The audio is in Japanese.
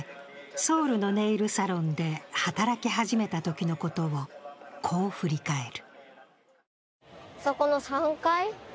ソウルのネイルサロンで働き始めたときのことをこう振り返る。